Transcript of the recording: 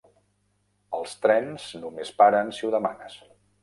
Els trens només paren si ho demanes.